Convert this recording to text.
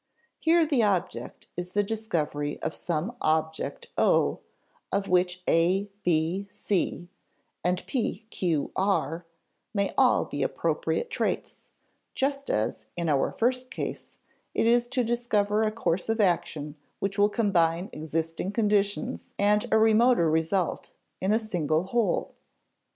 Here the object is the discovery of some object (O), of which a, b, c, and p, q, r, may all be appropriate traits just as, in our first case, it is to discover a course of action which will combine existing conditions and a remoter result in a single whole.